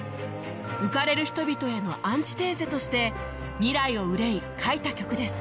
浮かれる人々へのアンチテーゼとして未来を憂い書いた曲です